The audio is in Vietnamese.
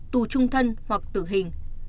tù trung thân hoặc tử hình